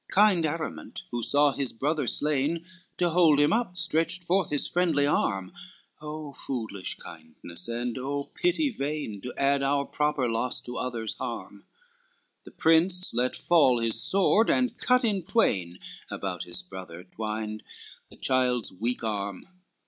XXXII Kind Aramante, who saw his brother slain, To hold him up stretched forth his friendly arm, Oh foolish kindness, and oh pity vain, To add our proper loss, to other's harm! The prince let fall his sword, and cut in twain About his brother twined, the child's weak arm.